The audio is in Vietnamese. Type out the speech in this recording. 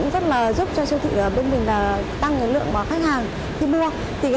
từ ngày một tháng sáu chương trình này cũng rất giúp cho châu thị tăng lượng khách hàng mua